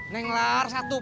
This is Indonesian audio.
neng lars satu